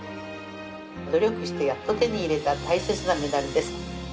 努力してやっと手に入れた大切なメダルです。